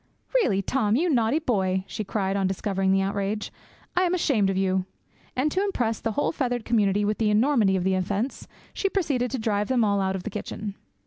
'Really, Tom, you naughty boy!' she cried, on discovering the outrage. 'I am ashamed of you!' And to impress the whole feathered community with the enormity of the offence, she proceeded to drive them all out of the kitchen.